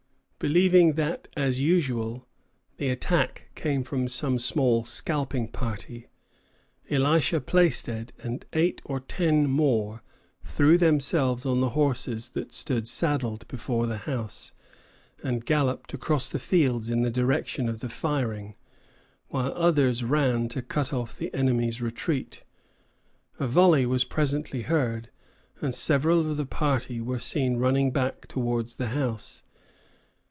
Believing that, as usual, the attack came from some small scalping party, Elisha Plaisted and eight or ten more threw themselves on the horses that stood saddled before the house, and galloped across the fields in the direction of the firing; while others ran to cut off the enemy's retreat. A volley was presently heard, and several of the party were seen running back towards the house.